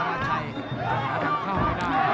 น่าจะใช่